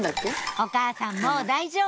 お母さんもう大丈夫！